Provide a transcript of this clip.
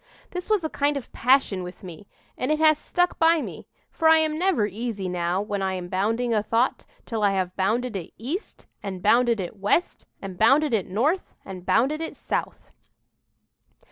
"This was a kind of a passion with me, and it has stuck by me; for I am never easy now when I am bounding a thought, till I have bounded it east, and bounded it west, and bounded it north, and bounded it south."